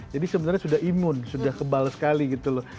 jadi sebenarnya sudah imun sudah kebal sekali gitu loh